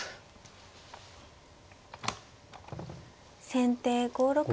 先手５六歩。